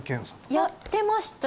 やってました